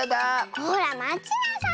ほらまちなさい！